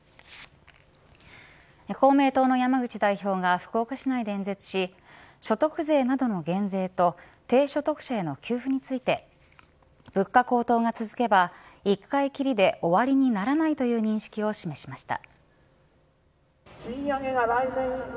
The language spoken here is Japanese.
公明党の山口代表が福岡市内で演説し所得税などの減税と低所得者への給付について物価高騰が続けば一回きりで終わりにならないという認識を示しました。